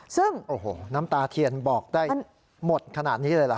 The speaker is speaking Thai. ซึ่งโอ้โหน้ำตาเทียนบอกได้หมดขนาดนี้เลยเหรอ